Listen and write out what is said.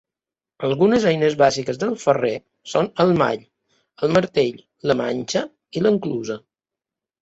Algunes eines bàsiques del ferrer són el mall, el martell, la manxa i l'enclusa.